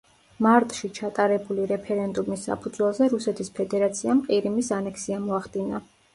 მარტში ჩატარებული რეფერენდუმის საფუძველზე რუსეთის ფედერაციამ ყირიმის ანექსია მოახდინა.